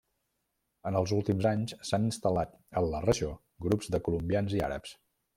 En els últims anys s'han instal·lat en la regió grups de colombians i àrabs.